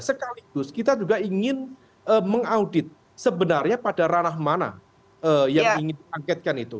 sekaligus kita juga ingin mengaudit sebenarnya pada ranah mana yang ingin diangketkan itu